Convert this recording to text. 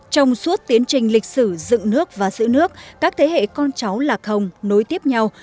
trong suốt tiến trình lịch sử dựng nước và giữ nước các thế hệ con cháu lạc hồng nối tiếp nhau